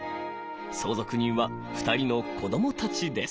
相続人は２人の子どもたちです。